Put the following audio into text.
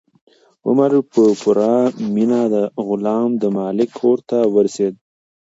عمر په پوره مینه د غلام د مالک کور ته ورسېد.